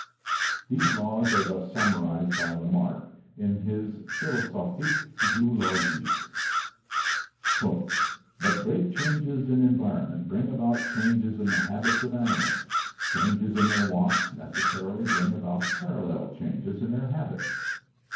These laws are thus summarized by Lamarck in his Philosophic Zoolo gique: "But great changes in environment bring about changes in the habits of animals. Changes in their wants necessarily bring about parallel changes in their habits.